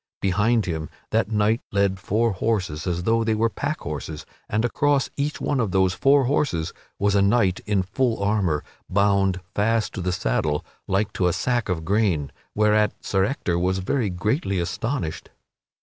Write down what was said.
Behind him, that knight led four horses as though they were pack horses, and across each one of those four horses was a knight in full armor, bound fast to the saddle like to a sack of grain, whereat Sir Ector was very greatly astonished.